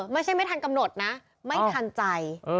ไม่ทันกำหนดนะไม่ทันใจ